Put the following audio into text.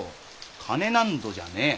金なんぞじゃねえ。